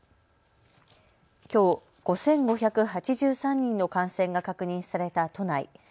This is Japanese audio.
きょう５５８３人の感染が確認された都内。